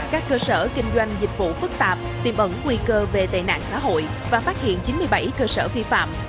các cơ sở kinh doanh dịch vụ phức tạp tìm ẩn nguy cơ về tệ nạn xã hội và phát hiện chín mươi bảy cơ sở vi phạm